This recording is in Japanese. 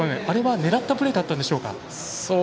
あれは狙ったプレーだったんでしょうか。